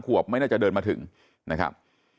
ขวบไม่น่าจะเดินมาถึงนะครับ